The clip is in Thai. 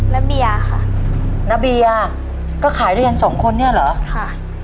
นับเบียร์ค่ะนับเบียร์ก็ขายได้ยังสองคนนี่เหรอค่ะ